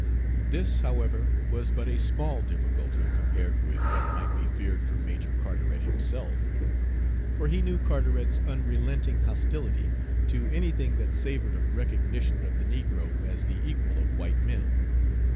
This, however, was but a small difficulty compared with what might be feared from Major Carteret himself. For he knew Carteret's unrelenting hostility to anything that savored of recognition of the negro as the equal of white men.